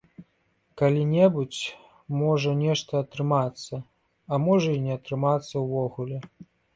Калі-небудзь, можа, нешта атрымаецца, а можа, не атрымаецца ўвогуле.